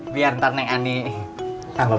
biar nanti neng ani kita berdua